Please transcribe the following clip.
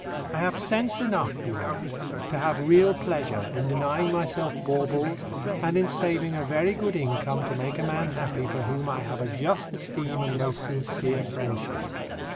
"I have sense enough," he wrote, "to have real pleasure in denying myself baubles, and in saving a very good income to make a man happy for whom I have a just esteem and most sincere friendship."